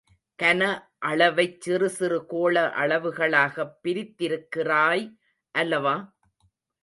கனஅளவைச் சிறுசிறு கோள அளவுகளாகப் பிரித்திருக்கிறாய் அல்லவா?